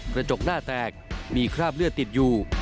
กระจกหน้าแตกมีคราบเลือดติดอยู่